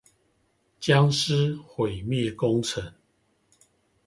殭屍毀滅工程